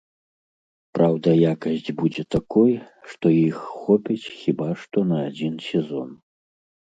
Праўда, якасць будзе такой, што іх хопіць хіба што на адзін сезон.